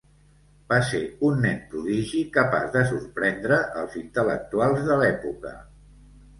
Va ser un nen prodigi capaç de sorprendre els intel·lectuals de l'època.